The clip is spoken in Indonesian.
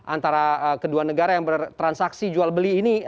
antara kedua negara yang bertransaksi jual beli ini